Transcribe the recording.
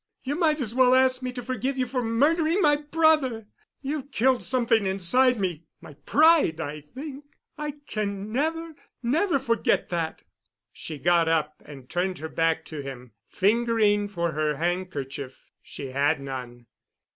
You might as well ask me to forgive you for murdering my brother. You've killed something inside me—my pride, I think. I can never—never forget that." She got up and turned her back to him, fingering for her handkerchief. She had none.